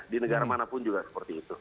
di negara manapun juga seperti itu